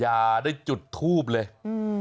อย่าได้จุดทูบเลยอืม